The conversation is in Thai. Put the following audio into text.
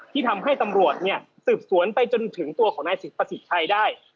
ที่ทำให้ตำรวจเนี่ยสืบสวนไปจนถึงตัวของนายประสิทธิ์ชัยได้